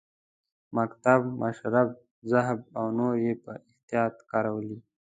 مکتب، مشرب، ذهب او نور یې په احتیاط کارولي.